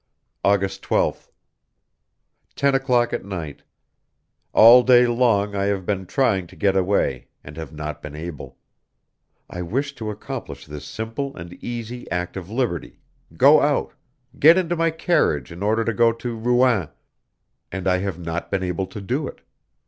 August 12th. Ten o'clock at night. All day long I have been trying to get away, and have not been able. I wished to accomplish this simple and easy act of liberty go out get into my carriage in order to go to Rouen and I have not been able to do it.